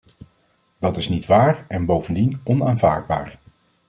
Dat is niet waar en bovendien onaanvaardbaar.